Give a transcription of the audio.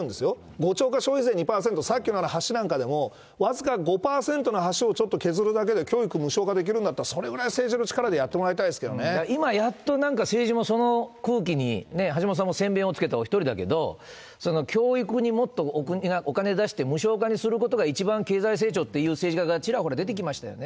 ５兆円、消費税２％、さっきの橋なんかでも、僅か５％の橋をちょっと削るだけで教育無償化できるんだったら、それぐらい政治の力でやってもらいたいで今、やっとなんか政治もその空気に、橋下さんも先べんをつけたお一人ですけれども、教育にもっとお金出して、無償化にすることが一番経済成長っていう政治家がちらほら出てきましたよね。